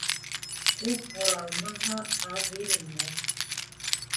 Күп һоралмаһа, аҙ бирелмәҫ.